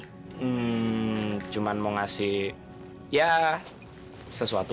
hmm cuman mau ngasih ya sesuatu buat kamu